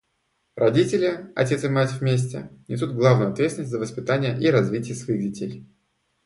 Родители — отец и мать вместе — несут главную ответственность за воспитание и развитие своих детей.